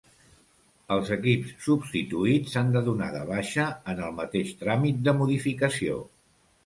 Els equips substituïts s'han de donar de baixa en el mateix tràmit de modificació.